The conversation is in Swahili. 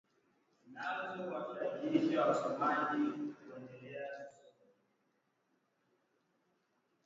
Lakini Uganda ilikuwa inajiandaa kwa hali yoyote yenye itakayojitokeza ikiwa na mpango wa kuwa na bidhaa muhimu na kubadilisha njia ya usafarishaji